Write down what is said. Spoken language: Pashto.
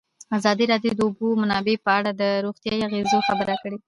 ازادي راډیو د د اوبو منابع په اړه د روغتیایي اغېزو خبره کړې.